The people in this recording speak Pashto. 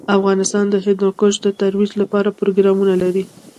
افغانستان د هندوکش د ترویج لپاره پروګرامونه لري.